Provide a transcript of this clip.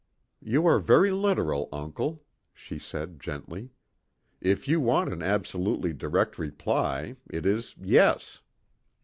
"You are very literal, uncle," she said gently. "If you want an absolutely direct reply it is 'Yes.'"